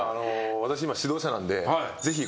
私今指導者なんで。